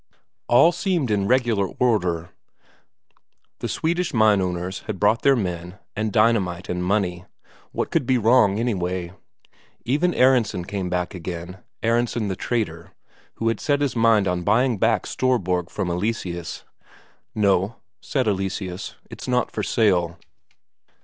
All seemed in regular order: the Swedish mine owners had brought their men, and dynamite and money what could be wrong, anyway? Even Aronsen came back again, Aronsen the trader, who had set his mind on buying back Storborg from Eleseus. "No," said Eleseus. "It's not for sale."